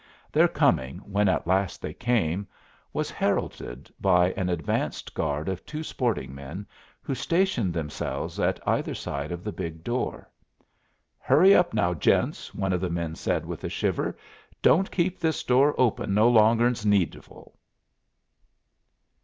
Their coming, when at last they came, was heralded by an advance guard of two sporting men, who stationed themselves at either side of the big door. "Hurry up, now, gents," one of the men said with a shiver, "don't keep this door open no longer'n is needful."